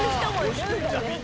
押してんじゃんみんな。